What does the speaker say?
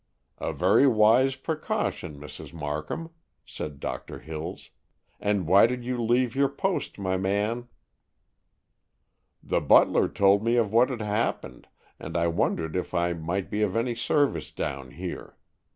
"A very wise precaution, Mrs. Markham," said Doctor Hills; "and why did you leave your post, my man?" "The butler told me of what had happened, and I wondered if I might be of any service down here.